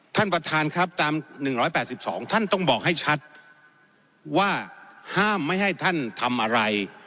ท่านประธานครับตาม๑๘๒ท่านต้องบอกให้ชัดว่าห้ามไม่ให้ท่านทำอะไร